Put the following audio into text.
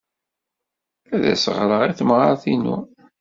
Ad as-ɣreɣ i temɣart-inu.